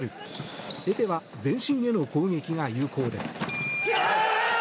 エペは全身への攻撃が有効です。